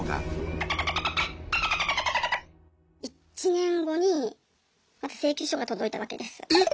１年後にまた請求書が届いたわけです。